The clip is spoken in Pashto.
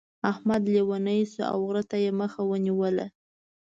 احمد لېونی شو او غره ته يې مخ ونيو.